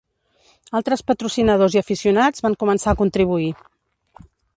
Altres patrocinadors i aficionats van començar a contribuir.